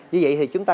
như vậy thì chúng ta